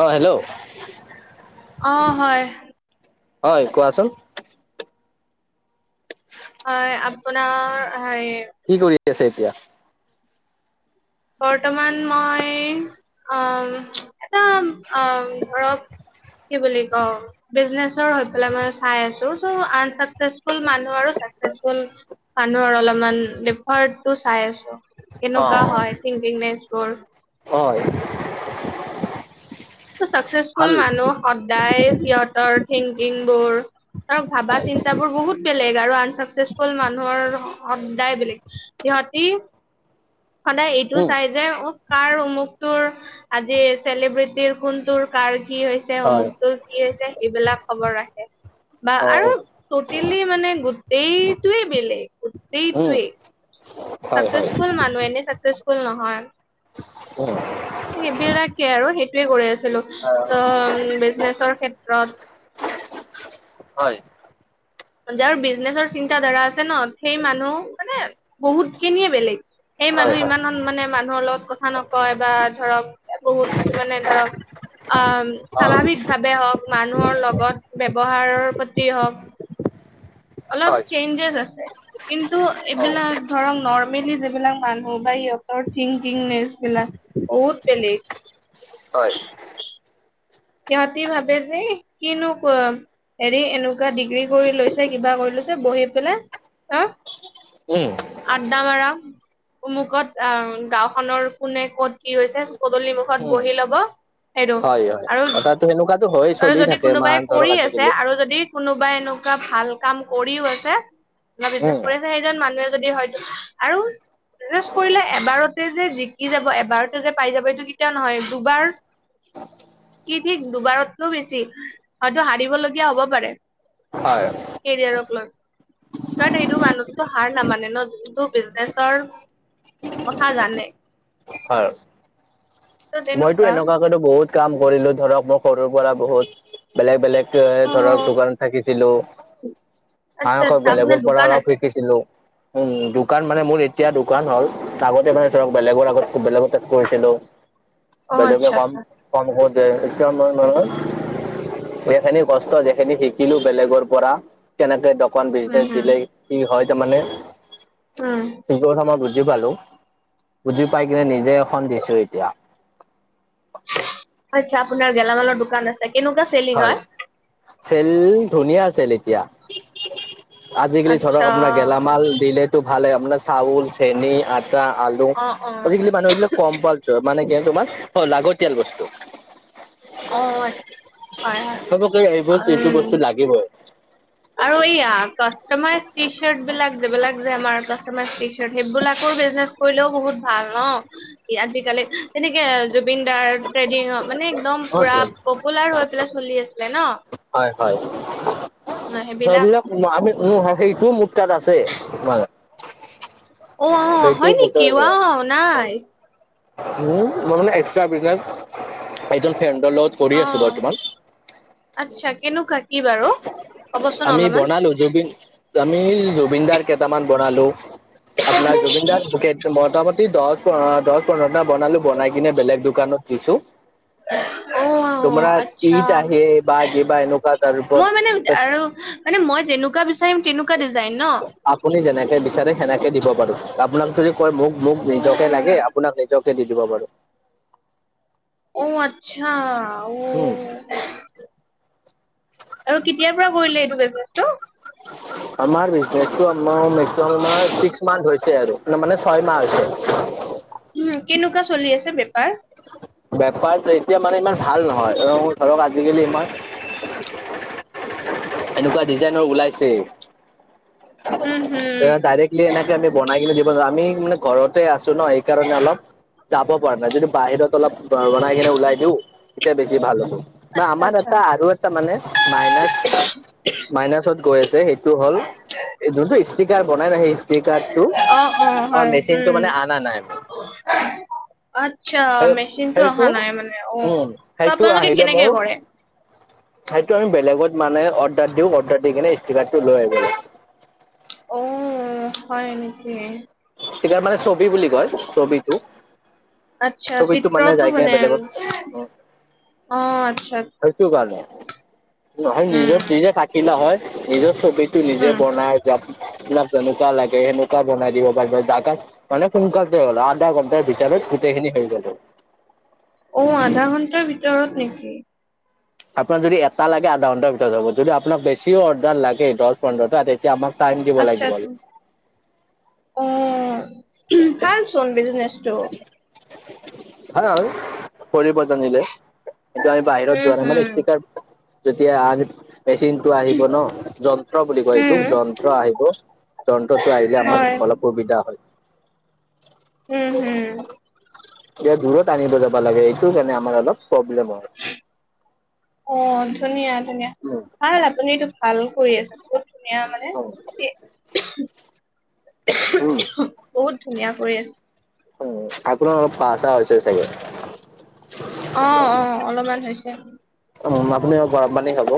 অঁ, হেল্ল'। অঁ, হয়। হয়, কোৱাচোন? [unintelligible] হয়, আপোনাৰ হেৰি কি কৰি আছে এতিয়া? বৰ্তমান মই, অ', এটা অ', ধৰক কি বুলি কওঁ? বিজনেচৰ হৈ পেলাই মই চাই আছো, চ' আনচাকচেচফুল মানুহ আৰু মানুহৰ অলপমান লিফাৰটো চাই আছো। কেনেকুৱা হয় অ', থিংকিংনেচবোৰ অ', হয়। ছাকচেছফুল ভাল মানুহ, সদায় সিহঁতৰ থিংকিংবোৰ ধৰক ভাবা চিন্তা বোৰ বহুত বেলেগ আৰু আনচাকচেছফুল মানুহৰ সদায় বেলেগ, সিহঁতি সদায় এইটো উম চাই কাৰ উমুকটোৰ, আজি চেলিব্ৰিটিৰ কোনটোৰ কাৰ কি হৈছে। হয় অমুকটোৰ কি হৈছে। সেইবিলাক খবৰ ৰাখে বা অ আৰু টটেলি মানে, গোটেইটোৱেই বেলেগ। উম। হয় হয় চাকচেছফুল মানুহ, এনেই চাকচেচফুল নহয়। [unintelligible] সেইবিলাকেই আৰু, সেইটোৱেই কৰি আছিলো, ত' হয় উম ' বিজনেচৰ ক্ষেত্ৰত হয়। যাৰ বিজনেচৰ চিন্তা ধাৰা আছে ন', সেই মানুহ মানে বহুত খিনিয়েই বেলেগ। সেই হয় মানুহে হয় ইমান মানে মানুহৰ লগত কথা নকয় বা ধৰক, একো মানে ধৰক অ', অ স্বাভাৱিকভাৱে হওঁক, মানুহৰ লগত ব্যৱহাৰৰ প্ৰতি হওঁক অলপ হয় চেঞ্জেছ আছে। কিন্তু অ এইবিলাক ধৰক, নৰ্মেলি যিবিলাক মানুহ বা সিহঁতৰ থিংকিংনেচ বিলাক বহুত বেলেগ। হয় [unintelligible] সিহঁতি ভাবে যে, কিনো ক হেৰি এনেকুৱা ডিগ্ৰী কৰি লৈছে, কিবা কৰি লৈছে বহি পেলাই, উম। আড্ডা মাৰা। অমুকত আ ' গাওঁখনৰ কোনে ক'ত কি হৈছে? পদূলি মুখত উম বহি লব। সেইটো হয় হয়, আৰু কথাটো সেনেকুৱাতো হয়, আৰু চলি যদি থাকে, কোনোবাই ইমান ধৰক কৰি আছে আজিকালি। আৰু যদি কোনোবাই এনেকুৱা ভাল কাম কৰিও আছে। বিজনেছ উম কৰি আছে, সেইজন মানুহে যদি হয়তো আৰু বিজনেছ কৰিলে এবাৰতে যে জিকি যাব, এবাৰতে যে পাই যাব, এইটো কেতিয়াও নহয়, দুবাৰ কি ঠিক দুবাৰতকৈ বেছি, হয়তো হাৰিবলগীয়া হব পাৰে। হয়। কেৰিয়াৰক লৈ, তাত সেইটো মানুহটো হাৰ নামানে ন, যোনটো বিজনেচৰ কথা জানে। হয়। ত' মইতো তেনেকুৱা এনেকুৱাকেটো বহুত কাম কৰিলো ধৰক, মই সৰুৰ পৰা বহুত। বেলেগ বেলেগ এ ধৰক অ', দোকানত থাকিছিলো। আচ্ছা [unintelligible] আচ্ছা আপোনাৰ বেলেগৰ পৰা দোকান অলপ আছে। শিকিছিলোঁ। উম, দোকান মানে মোৰ এতিয়া দোকান হ'ল, আগতে মানে ধৰক, বেলেগৰ আগত, বেলেগৰ তাত কৰিছিলো। অ', বেলেগে আচ্ছা কম, আচ্ছা। কম কওঁতে, এতিয়া মই মানে এইখিনি কষ্ট, যিখিনি শিকিলো বেলেগৰ পৰা তেনেকে দোকান উম, বিজনেচ হুম, দিলে কি হয় তাৰমানে উম সেইটো কথা মই বুজি পালো বুজি পাই কিনে উম, নিজে এখন দিছো এতিয়া আচ্ছা আপোনাৰ গেলামালৰ দোকান আছে কেনেকুৱা চেলিং হয় চেল ধুনীয়া চেল এতিয়া আজিকালি আচ্ছা ধৰক আপোনাৰ গেলামাল দিলেটো ভালে আপোনাৰ চাউল চেনি আটা আ আলু অ', অ', আজিকালি মানুহৰ এইবিলাক কম্পালচৰ হয় মানে কি তোমাৰ লাগতিয়াল বস্তু অ হয় হয় চবকে এইবোৰ এইটো উম বস্তু লাগিবই আৰু এইয়া কাষ্টমাইজ টি চাৰ্ট বিলাক যিবিলাক যে আমাৰ কাষ্টমাইজ টি চাৰ্ট সেইবিলাকো বিজনেচ কৰিলেও বহুত ভাল ন আজিকালি যেনেকে জুবিন দাৰ ট্ৰেডিংত মানে একদম পুৰা পপুলাৰ হৈ পেলাই চলি আছিলে ন হয় হয় সেইবিলাক উ আমি উ সেইটো মোৰ তাত আছে মানে অ অ সেইটো হয় মোৰ তাত নেকি আছে ৱাউ নাইচ উম মই মানে এক্সা বিজনেছ এজন ফ্ৰেণ্ডৰ লগত কৰি অ আছো বৰ্তমান আচ্ছা কেনেকুৱা কি বাৰু ক'বচোন আমি অলপমান বনালো জুবিন আমি জুবিনদাৰ কেইটামান বনালো আপোনাৰ জুবিনদাৰ মোটামুটি দহ আ পোন্ধৰটা বনালো বনাই কিনে বেলেগ দোকানত দিছো [unintelligible] অ তোমাৰ আচ্ছা ঈদ আহে বা কিবা এনেকুৱা তাৰ ওপৰত মই মানে আৰু মানে মই যেনেকুৱা বিচাৰিম তেনেকুৱা ডিজাইন ন আপুনি যেনেকে বিচাৰে সেনেকে দিব পাৰো আপোনালোকে যদি কয় মোক অ মোক নিজকে লাগে আপোনাক নিজকে দি দিব পাৰো অ আচ্ছা উ উম আৰু কেতিয়াৰ পৰা কৰিলে এইটো বিজনেছটো আমাৰ বিজনেচ টো ম মেক্সিমাম আমাৰ ছিক্স মান্থ হৈছে আৰু ন মানে ছয় মাহ হৈছে উম কেনেকুৱা চলি আছে বেপাৰ বেপাৰ এতিয়া মানে ইমান ভাল নহয় অ ধৰক আজিকালি ইমান এনেকুৱা ডিজাইনৰ ওলাইছে উম এ হম ডাইৰেক্টলি এনেকে আমি বনাই কিনে দিব যাও আমি মানে ঘৰত তে আছো ন সেইকাৰণে অলপ যাব পৰা নাই যদি বাহিৰত অলপ বনাই কিনে ওলাই দিও তেতিয়া বেছি ভাল হ'ব বা আচ্ছা আমাৰ আচ্ছা এটা আৰু এটা মানে মাইনাচ মাইনাচত গৈ আছে সেইটো হ'ল যোনটো ষ্টিকাৰ বনাই ন সেই ষ্টিকাৰটো অ অ আমাৰ হয় মেচিন উম টো মানে অনা নাই [unintelligible] আচ্ছা সেই মেচিনটো অহা সেইটো নাই মানে অ উম ত সেইটো আপোনালোকে আহিলে কেনেকে মোৰ কৰে সেইটো আমি বেলেগত মানে অৰ্ডাৰ দিওঁ অৰ্ডাৰ দি কিনে ষ্টীকাৰটো লৈ আহো অহ হয় নেকি এতিয়া মানে ছবি বুলি কয় ছবিটো আচ্ছা ছবিটো চিত্ৰটো যাই কিনে মানে বেলেগত উম অ আচ্ছা আচ্ছা সেইটো কাৰণে নহয় উম, নিজৰ নিজে থাক কি নহয় নিজৰ ছবিটো নিজে উম। বনাই যাব লাগ এনেকুৱা লাগে এনেকুৱা বনাই দিব পাৰিব দাদাক মানে সোনকালতে হল আধা ঘণ্টাৰ ভিতৰত গোটেইখিনি হৈ যাব অ আধা ঘন্টাৰ ভিতৰত নেকি আপোনাক যদি এটা লাগে আধা ঘণ্টাৰ ভিতৰত হ'ব যদি আপোনাক বেছিও অৰ্ডাৰ লাগে দচ বন্ধ ত তেতিয়া আমাক টাইম দিব আচ্ছা লাগিব আচ্ছা। অ ভালচোন বিজনেচটো হা পৰিৱৰ্তন দিলে এইটো আমি বাহিৰত উম, যোৱা নাই মানে হম, ষ্টিকাৰ যেতিয়া আন মেচিনটো আহিব ন যন্ত্ৰ বুলি কয় হম, এইটোক যন্ত্ৰ আহিব যন্ত্ৰটো আহিলে আমাৰ হয়। অলপ সুবিধা হয় উম হুম এতিয়া দূৰত আনিব যাবা লাগে এইটো কাৰণে আমাৰ অলপ প্ৰব্লেম হয় অ ধুনীয়া ধুনীয়া উম ভাল আপুনিটো এইতো ভাল কৰি আছে বহুত ধুনীয়া মানে উম, কি বহুত ধুনীয়া কই আছে উম অপোনাৰ অলপ পাচা হৈছে চাগে অ অ অলমান হৈছে উম আপুনি আৰু গৰম পানী খাব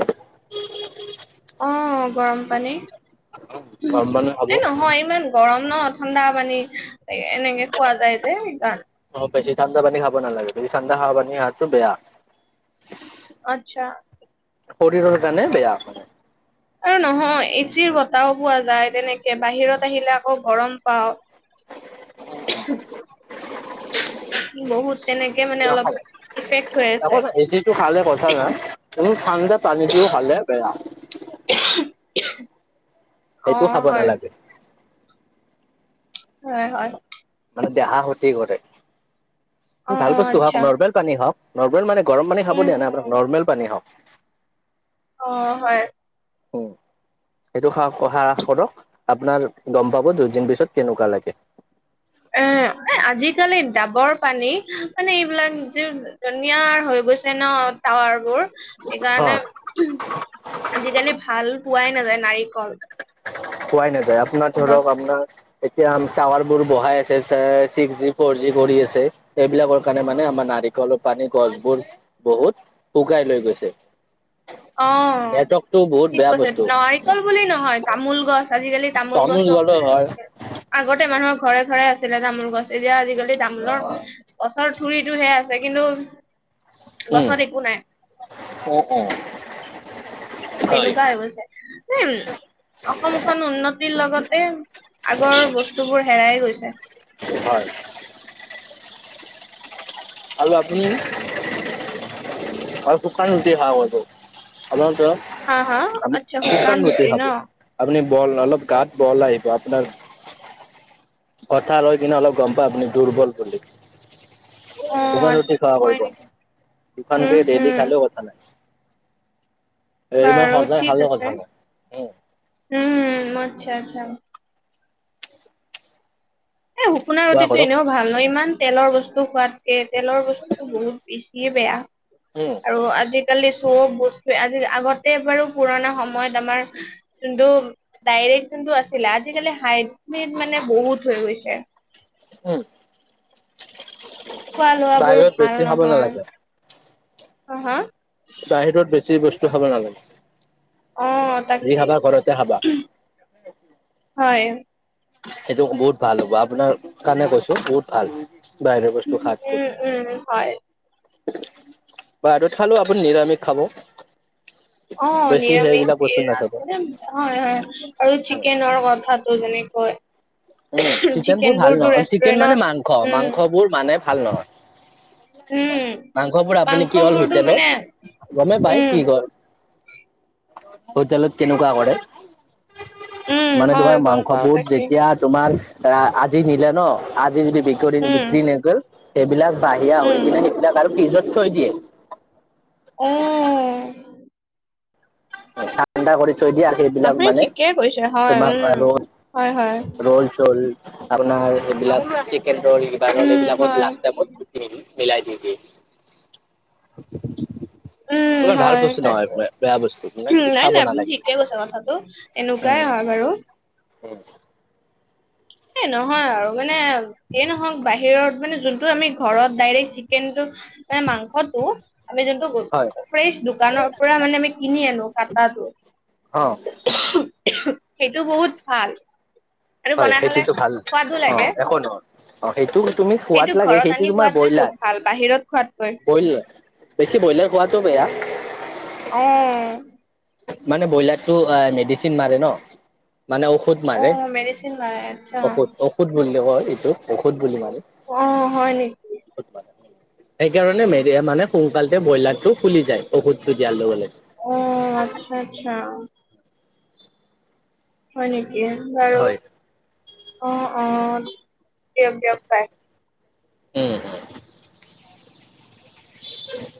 অ গৰম পানী গৰম পানী খাব। এই নহয় ইমান গৰম ন ঠাণ্ডা পানী এ এনেকে খোৱা যায় যে সেইকাৰণ অ বেছি ঠান্দা পানী খাব নালাগে বেছি ঠাণ্ডা খাৱা পানী হাতো বেয়া আত্ছা শৰীৰৰ কাৰণে বেয়া আৰু নহয় এচিৰ বতাহও পোৱা যায় তেনেকে বাহিৰত আহিলে আকৌ গৰম পাও [unintelligible] বহুত তেনেকে মানে অলপ নাখালে ইফেক্ট হৈ আছে উ ঠাণ্ডা পানীটোও খালে বেয়া [unintelligible] অ সেইটো খাব হয় নালাগে হয় হয় মানে দেহা ক্ষতি কৰে অ ভাল বস্তু খাওক আচ্ছা নৰ্মেল পানী খাওক নৰ্মেল মানে গৰম পানী খাব উম দিয়া নাই উম। আপোনাক নৰ্মেল পানী খাওক অ হয় উ সেইটো হাহাস কৰক আপোনাৰ গম পাব দুদিন পিছত কেনেকুৱা লাগে এ এ আজিকালি ডাবৰ পানী মানে এইবিলাক যি ধনিয়াৰ হৈ গৈছে ন টাৱাৰ বোৰ সেইকাৰণে আজিকালি ভাল পোৱাই নাযায় নাৰিকল খোৱাই নাযায় আপোনাৰ গছ ধৰক আপোনাৰ এতিয়া টাৱাৰ বোৰ বহাই আছে ছিক্স জি ফৰ জি কৰি আছে এইবিলাকৰ কাৰণে মানে আমাৰ নাৰিকলৰ পানী গছবোৰ বহুত শুকাই লৈ গৈছে অ নেটৱৰ্কটো বহুত ঠিক বেয়া কৈছে বস্তু নাৰিকল বুলি নহয় তামোল গছ আজিকালি তামোল টাউনত গছো গ'লে হয় আগতে মানুহৰ ঘৰে ঘৰে আছিলে তামোল গছ, এতিয়া আজিকালি তামোলৰ গছৰ থৰিতটোহে আছে কিন্তু গছত একো নাই। অঁ অঁ। তেনেকুৱা হৈ গৈছে, এই অসমখন উন্নতিৰ লগতে আগৰ বস্তুবোৰ হেৰাই গৈছে। হয়। আৰু আপুনি, শুকান ৰুটি খাওঁ মইতো। সাধাৰণতে হা হা, আচ্ছা শুকান ৰুটি ন। আপুনি বল অলপ গাত বল আহিব আপোনাৰ কথা লৈ কিনে অলপ গম পায় আপুনি দুৰ্বল বুলি। অ দুখন ৰুটি আচ্ছা খোৱা হয় কৰিব, নেকি উম দুখনকে ডেইলি হম খালেও কথা নাই। ইমান বাৰু সদায় ঠিক খালেও আছে কথা নাই উম উম আচ্ছা আচ্ছা। এই শুকুনা খোৱা ৰুটিটো কৰক এনেও ভাল নহয় ইমান তেলৰ বস্তু সোৱাদ, তেলৰ বস্তুতটো বহুত বেছিয়ে বেয়া, উম আৰু আজি আজিকালি চব বস্তু আজি আগতে বাৰু পুৰণা সময়ত আমাৰ যোনটো ডাইৰেক্ট যোনটো আছিলে, আজিকালি হাইব্ৰিড মানে বহুত হৈ গৈছে উম। খোৱা লোৱা বোৰ বাহিৰত ভাল বেছি খাব নহয়। নালাগে হা হা বাহিৰত বেছি বস্তু খাব নালাগে, অ যি তাকে খাবা ঘৰতে খাবা। হয়। সেইটো বহুত ভাল হ'ব আপোনাৰ কাৰণে কৈছো বহুত ভাল। বাহিৰা বস্তু খাৱাতকৈ। উম উম হয় বাহিৰত খালেও আপুনি নিৰামিষ খাব। অঁ, বেছি সেইবিলাক নিৰামিষ বস্তু এই আ নাখাব মানে হয় হয়, আৰু চিকেনৰ গোন্ধটো যেনেকৈ উম চিকেন চিকেনবোৰ ভাল বোৰতো নহয়, চিকেন মানে ৰেষ্টুৰেন্টত মাংস উম মাংস বোৰ মানে ভাল নহয়। উম, মাংস পৰা আপুনি কি হ'ল মাংসবোৰতো মানে হোটেলত গমেই পাই উম, কিহৰ [unintelligible] হোটেলত কেনেকুৱা কৰে উম, মানে হয় তোমাৰ গম মাংস পাও বোৰ তাকে যেতিয়া, তোমাৰ আজি নিলে ন আজি যদি বিক উম, বিক্ৰী ন গল সেইবিলাক বাহিৰা হৈ উম, কিনে সেইবিলাক আৰু ফ্ৰীজত থৈ দিয়ে। অঁ। ঠাণ্ডা কৰি থৈ দিয়ে। সেইবিলাক আপুনি মানে, ঠিকে কৈছে হয় তোমাক উম, আৰু হয়, হয়, ৰোল চোল আপোনাৰ এইবিলাক চিকেন ৰল কিবা ৰল উম, এইবিলাকত হয়, লাষ্ট টাইমত, মিলাই দি দিয়ে। উম, ইমান ভাল হয়, বস্তু নহয় তাকে বেয়া বস্তু। মানে নাই খাব নাই আপুনি নালাগে ঠিকে কৈছে কথাটো এনেকুৱাই হয় বাৰু। উম। এ নহয় আৰু মানে যি নহওঁক বাহিৰত মানে যোন টো আমি ঘৰত ডাইৰেক্ট চিকেনটো মাংসটো আমি যোনটো হয় ফ্ৰেছ দোকানৰ পৰা মানে আমি কিনি আনো কাটাটো। অঁ। সেইটো বহুত ভাল। আৰু হয়, বনাই খালে সেইটোতো ভাল, সোৱাদো লাগে অ'একো নহয়। অ', সেইটো তুমি খোৱাত সেইটো লাগে, ঘৰত সেইটো আনি তোমাৰ খোৱাটোৱে ব্ৰইলাৰ। বহুত ভাল বাহিৰত খোৱাতকৈ বেছি ব্ৰইলাৰ খোৱাটো বেয়া। অ', মানে ব্ৰইলাৰটো মেডিচিন মাৰে ন', মানে ঔষধ ঔষধ মাৰে, অ মেডিচিন মাৰে আচ্ছা ঔষধ ঔষধ বুলি কয় এইটোক, ঔষধ বুলি মাৰে। অ', হয় নেকি? ঔষধ মাৰে। সেইকাৰণে মাৰে, মানে সোনকালতে ব্ৰইলাৰটো ফুলি যায়, ঔষধটো দিয়াৰ লগে লগে। অ', আচ্ছা আচ্ছা। হয় নেকি? বাৰু, হয় অ' অ' দিয়ক দিয়ক পাই। উম্ উম্। উম্,